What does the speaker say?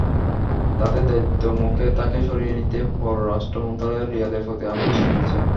তাঁদের দাবির মুখে তাঁকে সরিয়ে নিতে পররাষ্ট্র মন্ত্রণালয় রিয়াদের প্রতি আহ্বান জানিয়েছে।